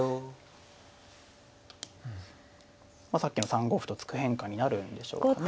まあさっきの３五歩と突く変化になるんでしょうかね。